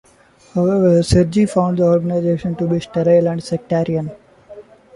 However, Serge found the organization to be sterile and sectarian.